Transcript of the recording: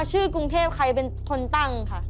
ชื่อกรุงเทพใครเป็นคนตั้งค่ะ